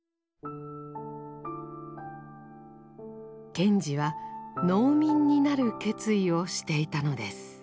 賢治は農民になる決意をしていたのです。